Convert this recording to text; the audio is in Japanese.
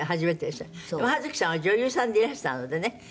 でもはづきさんは女優さんでいらしたのでね。